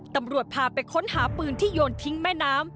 ตำรวจพาไปค้นหาปืนที่โยนทิ้งแม่น้ำ